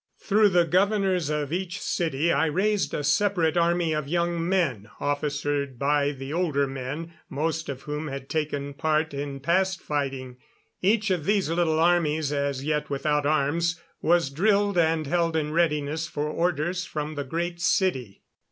Through the governors of each city I raised a separate army of young men, officered by the older men, most of whom had taken part in past fighting. Each of these little armies, as yet without arms, was drilled and held in readiness for orders from the Great City.